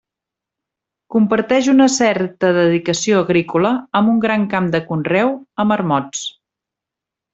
Comparteix una certa dedicació agrícola, amb un gran camp de conreu, amb ermots.